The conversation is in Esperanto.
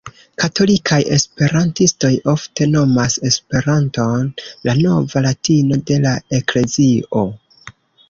Katolikaj esperantistoj ofte nomas Esperanton "la nova latino de la Eklezio".